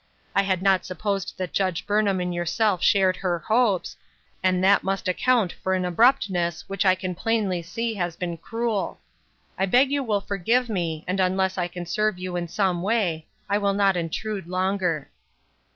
I had not supposed that Judge Burnham and yourself shared her hopes, and that must ac count for an abruptness which I can plainly see has been cruel ; I beg you will forgive me, and un less I can serve you in some way, I will not intrude longer."